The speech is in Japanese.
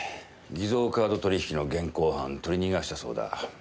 偽造カード取引の現行犯取り逃がしたそうだ。